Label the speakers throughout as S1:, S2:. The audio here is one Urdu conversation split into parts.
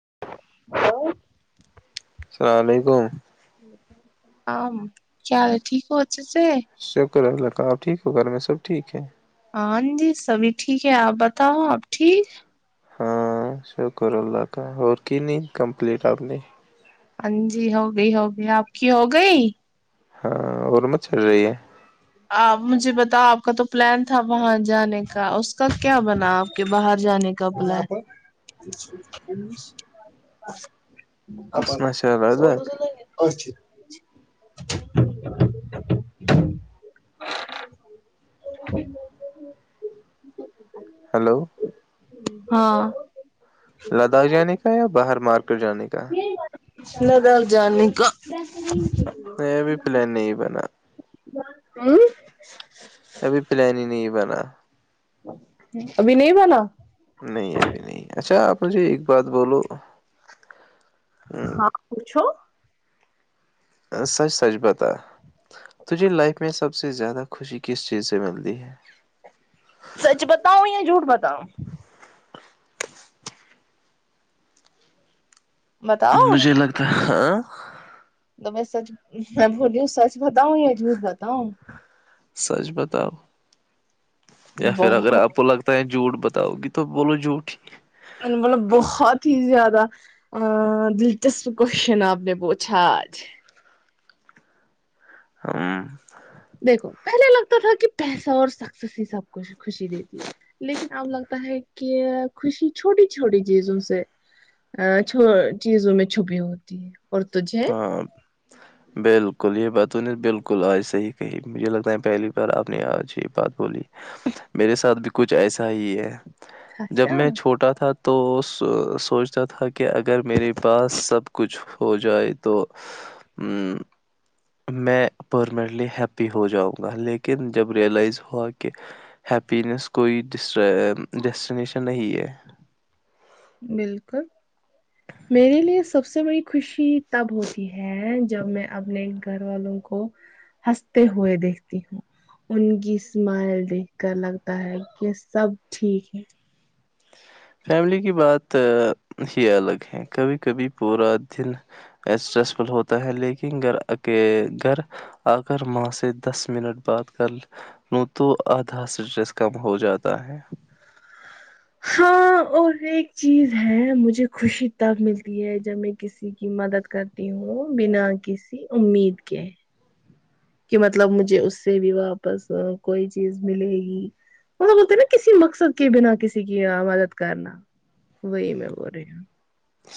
S1: [unintelligible]
S2: [unintelligible]
S1: ہاں کیال ہے ٹھیک ہو اچ سے
S2: شکر اللہ کا آپ ٹھیک ہو گ میں سب ٹھیک ہے
S1: ہاں جی سبھی ٹھیک ہے آپ بتاؤ آپ ٹھیک
S2: ہاں شکر اللہ کا ہو کی نہیں کمپلیٹ اپنی
S1: ہاں جی ہو گئی ہوگئی آپ کی ہو گئی
S2: ہاں اور مت چل رہی ہے
S1: آپ مجھے بتاؤ آپ کا تو پلان تھا باں جانے کا اس کا کیا بنا آپ کے باہر جانے کا پلان آ
S2: ماشاء اللہ
S1: سب تو
S2: لداخ
S1: چھ [unintelligible] [unintelligible]
S2: ہلو
S1: ہاں
S2: لداخ جانے کا یا باہر مار کر جانے کا
S1: ندار جانے کا
S2: نہیں ابھی پلان نہیں بنا
S1: ہوں
S2: ابھی پلان ہی نہیں بنا
S1: ابھی نہیں والا
S2: مھے ایک بات بولو
S1: ہاں پوچھو
S2: سچ سچ بتا تجھے لائف میں سب سے زیادہ خوشی کس چیز سے ملتی ہے
S1: سچ بتاؤ یا جھوٹ بتا تاؤ بتاؤ
S2: مجھے لگتا ہے ہاںھ
S1: تو میں سچ میں بولی ہوں سچ بتاؤں یا جھوٹ بتاؤں
S2: سچ بتاؤ یا پھر اگر
S1: بہت
S2: آپ کو لگتا جھوٹ بتاؤ گی تو بولو جھوٹ
S1: ا دلچسپ کوشچن آپ نے پوچھا آج
S2: ہوں
S1: دیکھو پہلے لگتا تھا کہ پیسہ اور سکسیس ہی سب کچھ خوشی دیتی ہے لیکن اب لگتا ہے کہ خوشی چھوٹی چھوٹی چیزوں سے ا چیزوں میں چھپی ہوتی ہے اور تھے
S2: ہاں بالکل یہ باتوں نے بالکل آج سےحی کہی مجھے لگتا ہے پہلی بار آپ نے آج یہ بات بولی میرے ساتھ بھی کچھ ایسا ہی ہے جب
S1: اچھا
S2: میں چھوٹا تھا تو سوچتا تھا کہ اگر میرے پاس سب کچھ ہو جائے تو تو ہ میں پرمننٹلی ہیپی ہو جاؤں گا لیکن جب ریلائز ہوا کہ ہیپینس کوئی ڈیسٹینیشن نہیں ہے
S1: بالکل میرے لیے سب سے بڑی خوشی تب ہوتی ہے جب میں اپنے گھر والوں کو ہنستے ہوئے دیکھتی ہوں ان کی اسمائل دیکھ کر لگتا ہے کہ سب ٹھیک ہے
S2: فیملی کی بات ہی الگ ہے کبھی کبھی پورا دن اسٹریس فل ہوتا ہے لیکن گھر اک گھر آ کر ماں سے دس منٹ بات کر لوں تو آدھا اسٹریس کم ہو جاتا ہے
S1: ہاں اور ایک چیز ہے مجھے خوشی تب ملتی ہے جب میں کسی کی مدد کرتی ہوں بنا کسی امید کے کہ مطلب مجھے اس سے بھی واپس کوئی چیز ملے گی وہ بولتے نا کسی مقصد کے بنا کسی کی مدد کرنا وہی میں بول رہی ہوں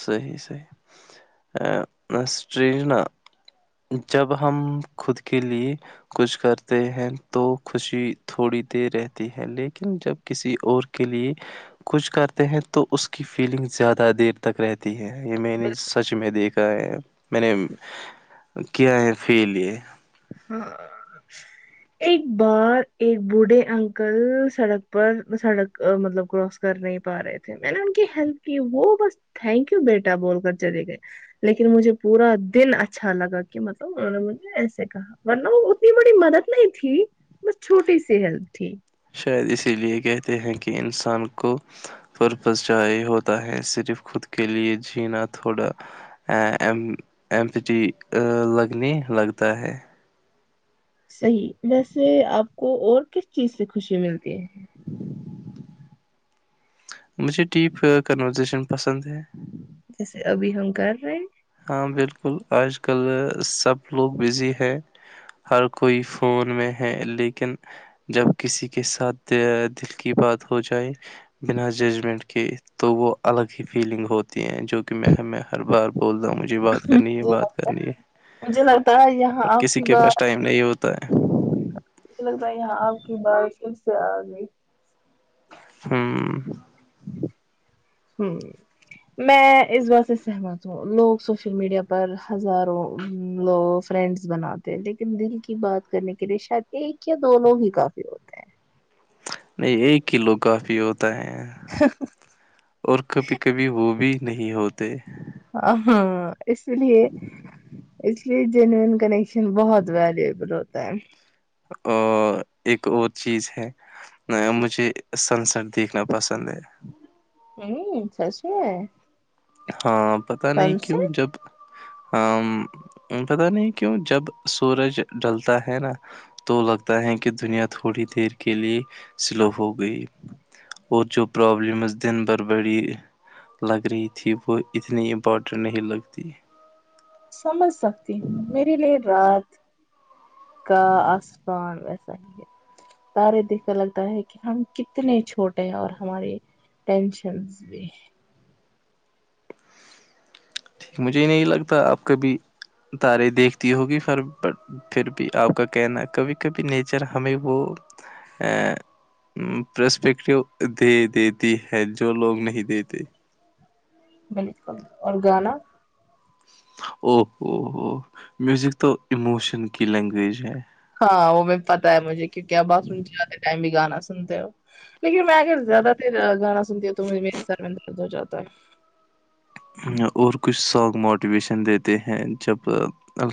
S2: صحیح صحیحٹری جب ہم خود کے لیے کچھ کرتے ہیں تو خوشی تھوڑی دیر رہتی ہے لیکن جب کسی اور کے لیے کچھ کرتے ہیں تو اس کی فیلنگ زیادہ دیر ت کرریےتی ہے یہ میں نے سچ میں دیکھا ہے میں نے کیا ہے فیل یہ
S1: ہاں ایک بار ایک بوڑھے انکل سڑک پر سڑک مطلب کراس کر نہیں پا رہے تھے میں نے ان کی ہیلپ کی وہ بس تھینک یو بیٹا بول کر چلے گئے لیکن مجھے پورا دن اچھا لگا کہ مطلب انہوں نے مجھے ایسے کہا ورنہ وہ اتنی بڑی مدد نہیں تھی بس چھوٹی سی ہیلپ تھی
S2: شاید اسی لیے کہتے ہیں کہ انسان کو پرپز چاہے ہوتا ہے صرف خود کے لیے جینا تھوڑا ایمپٹی لگنے لگتا ہے
S1: صحی ویسے آپ کو اور کس چیز سے خوشی ملتی ہے
S2: [unintelligible] مجھے ٹیپ کنورزیشن پسند ہے
S1: جیسے ابھی ہم کر رہے ہیں
S2: ہاں بالکل آج کل سب لوگ بزی ہے ہر کوئی فون میں ہے لیکن جب کسی کے ساتھ دل کی بات ہو جائے بنا ججمنٹ کے تو وہ الگ ہی فیلنگ ہوتی ہیں جو کہ میں ہمیں ہر بار بولتا ہوں مجھے بات کرنی ہے
S1: مجھے
S2: بات کرنی ہے
S1: لگ- مجھے لگتا ہے یہاں
S2: پر
S1: آپ
S2: کسی
S1: کی
S2: کے پاس
S1: بات
S2: ٹائم نہیں ہوتا ہے
S1: ب یہاں آپ کی بارش اس سے آ گئی
S2: ہوں
S1: ہ میں اس بات سے سہمت ہوں لوگ سوشل میڈیا پر ہزاروں لو فرینڈس بناتے ہیں لیکن دل کی بات کرنے کے لیے شاید ایک یا دو لوگ ہی کافی ہوتے ہیں
S2: نہیں ایک کلو کافی ہوتا ہو ہے اور کبھی کبھی وہ بھی نہیں ہوتے
S1: آ ہاں اس لیے اس لیے جینوین کان بہت ویلیوبل ہوتا ہے
S2: اور ایک اور چیز ہے مجھے سن سیٹ دیکھنا پسند ہے
S1: ہوں سس میں ہے
S2: ہاں پتہ نہیں کیوں جب ہ پتہ نہیں کیوں جب سورج ڈلتا ہے نا تو لگتا ہے کہ دنیا تھوڑی دیر کے لیے سلو ہو گئی اور جو برابلمز دن بھر بڑی لگ رہ تھی وہ اتنی امپورٹینٹ نہیں لگتی
S1: سمج سکتی ہوں میرے لیے رات کا آسمان ویسا ہی ہے تارے دیکھنے لگتا ہے کہ ہم کتنے چھوٹے ہیں اور ہماری ٹینشن بھی
S2: مجھے نہیں لگتا آپ کبھی تارے دیکھتی ہوگیر بٹ پھر بھی آپ کا کہنا کبھی کبھی نیچر ہمیں وہ ا پرسپیکٹیو دے دیتی ہے جو لوگ نہیں دیتے
S1: بالکل اور گانا
S2: اوو ہوو میوزک تو اموشن کی لینگویج ہے
S1: ہاں وہ بھی پتتا ہے مجھے کیکہ باس رومے ٹائم بھی گانا سنند ہو لیکن میں اگر زیادہ تر گانا سنتی ہوں تو مے سر میں درد ہو جاتا ت [inaudible]
S2: اور کچھ سانگ موٹیویشن دیتے ہیں جب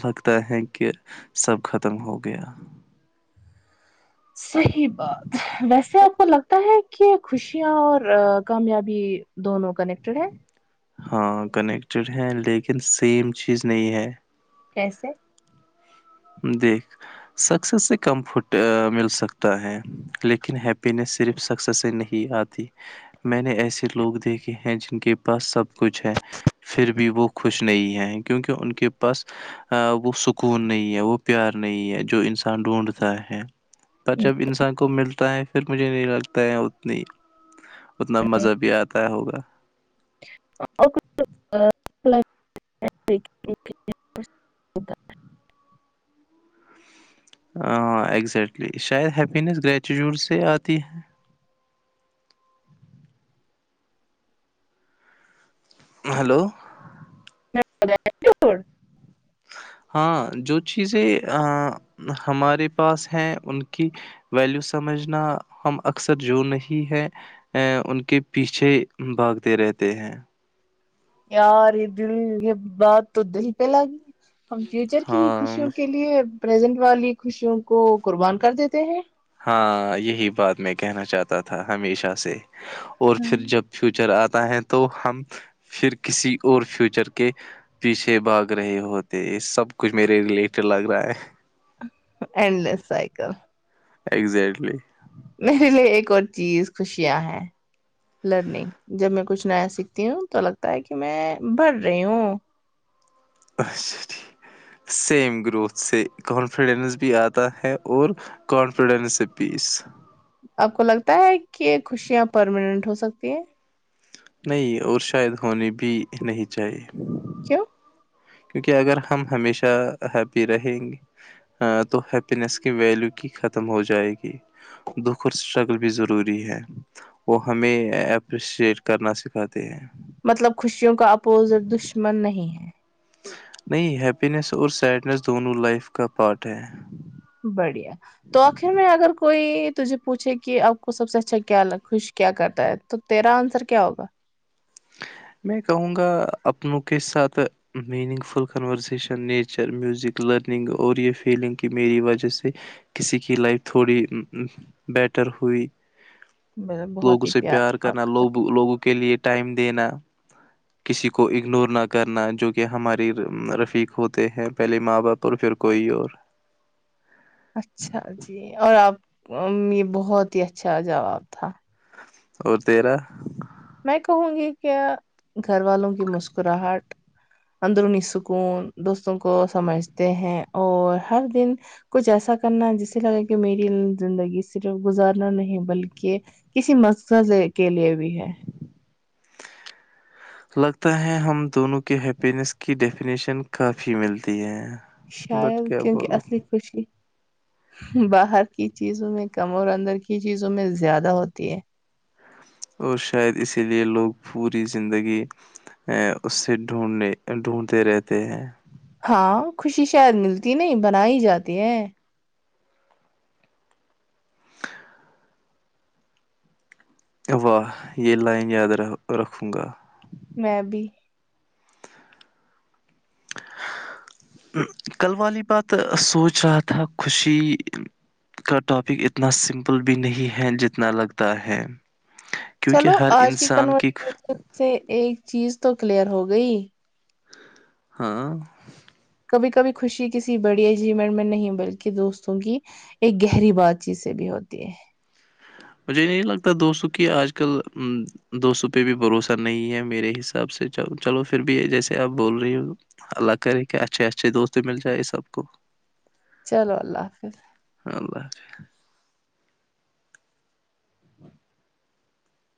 S2: لگتا ہے کہ سب ختم ہو گیا
S1: صحیح بات ویسے کو لگتا ہے کہ خوشیاں اور کامیابی دونوں کنیکٹیڈ ہے
S2: ہاں کنیکٹیڈ ہیں لیکن سیم چیز نہیں ہے
S1: کیسے
S2: دیکھ سکسیس سے کمفٹ مل سکتا ہے لیکن ہیپینس صرف سکسیس سے نہیں آتی میں نے ایسے لوگ دیکھے ہیں جن کے پاس سب کچھ ہے پھر بھی وہ خوش نہیں ہیں کیونکہ ان کے پاس وہ سکون نہیں ہے وہ پیار نہیں ہے جو انسان ڈھونڈتا ہے پر جب انسان کو ملتا ہے پھر مجھے نہیں لگتا ہے اتنی ہی اتنا مزہ بھی آتا ہوگا
S1: [inaudible]
S2: ہ اگزٹلی شاید ہیپس گریچٹیوڈ سے آتی ہے ہلو
S1: [inaudible]
S2: ہاں جو چیزیں ہمارے پاس ہیں ان کی ویلیو سمجھنا ہم اکثر جو نہیں ہے ان کے پیچھے بھاگتے رہتے ہیں
S1: یار یہ دل یہ بات تو دل پہ لگی ہے ہم فیوچر کی
S2: ہاں
S1: خوشیوں کے لیے پرزنٹ والی خوشیوں کو قربان کر دیتے ہیں
S2: ہاں یہی بات میں کہنا چاہتا تھا ہمیشہ سے اور پھر جب فیوچر آتا تو ہم پھر کسی اور فیوچر کے پیچھے بھاگ رہے ہوتے ہیں سب کچھ میرے ریلیٹڈ لگ رہا ہے
S1: اینڈ لیس سائیکل
S2: اگزٹلی
S1: میرے لیے ایک اور چیز خوشیاں ہیں لرننگ جب میں کچھ نیا سیکھتی ہوں تو لگتا ہے کہ میں بڑ رہی ہوں
S2: اچھاھ سیم گروتھ سے کانفیڈینس بھی آتا ہے اور کانفیڈینس سے پیس
S1: آپ کو لگتا ہے کہ خوشیاں پرماننٹ ہو سکتی ہیں
S2: نہیں اور شاید ہونی بھی نہیں چاہیے
S1: کیو
S2: کیونکہ اگر ہم ہمیشہ ہیپی رہیں گے تو ہیپینس کی ویلیو کی ختم ہو جائے گی دکھ اور اسٹرگل بھی ضروری ہے وہ ہمیں اپریشٹ کرنا سکھاتے ہیں
S1: مطلب خوشیوں کا اپوزٹ دشمن نہیں ہے
S2: نہیں ہیپینیس اور سیڈنیس دونوں لائف کا پارٹ ہے
S1: بڑی تو آخر میں اگر کوئی تجھے پوچھے کہ آپ کو سب سے اچھا کیا خوش کیا کرتا ہے تو تیرا آنسر کیا ہوگا
S2: میں کہوں گا اپنوں کے ساتھ meaningful conversation nature music learning اور یہ فیلنگ کہ میری وجہ سے کسی کی لائف تھوڑی بیٹر ہوئی
S1: میرا بہت
S2: لوگوں
S1: ہی
S2: سے پیار
S1: جواب
S2: کرنا لوگ لوگوں کے لیے ٹائم دینا کسی کو اگنور نہ کرنا جو کہ ہماراری رفیق ہوتے ہیں پہلے ماں باپ اور پھر کوئی اور
S1: اچھا جی اور آپ یہ بہت ہی اچھا جواب تھا
S2: اور تیرا
S1: میں کہوں گی کیا گھر والوں کی مسکراہٹ اندرونی سکون دوستوں کو سمجھتے ہیں اور ہر دن کچھ ایسا کرنا جسے لگا کہ میری زندگی صرف گزارنا نہیں بلکہ کسی مقصد کے لیے بھی ہے
S2: لگتا ہے ہم دونوں کے ہیپینیس کی ڈیفینیشن کافی ملتی ہے بٹ
S1: شاید
S2: کیا
S1: کیونکہ
S2: بولو
S1: اصلی خوشی باہر کی چیزوں میں کم اور اندر کی چیزوں میں زیادہ ہوتی ہے
S2: اور شاید اسی لیے لوگ پوری زندگی ا اس سے ڈھونڈنے ڈھونڈتے رہتے ہیں
S1: ہاں خوشی شاید ملتی نہیں بن ہی جاتی ہے
S2: واہ یہ لائن یاد رکھوں گا
S1: میں بھی
S2: کل والی بات سوچ رہا تھا خوشی کا ٹاپک اتنا سمپل بھی نہیں ہے جتنا لگتا ہے
S1: چلو
S2: کیونکہ ہر
S1: آج کی
S2: انسان
S1: کنورسشن سے ایک چیز تو کلیئر ہوگی گئی
S2: ہاں
S1: کبھی کبھی خوشی کسی بڑی اچیومنٹ میں نہیں بلکہ دوستوں کی ایک گہری بات چیت سے بھی ہوتی ہے
S2: مجھے نہیں لگتا دوستوں کی آج کل دوستوں پہ بھی بھروسہ نہیں ہے میرے حساب سے چلو پھر بھی جیسے آپ بول رہی ہو اللہ کرے کہ اچھے اچھے دوست مل جائے سب کو
S1: چلو اللہ حافظ
S2: [inaudible]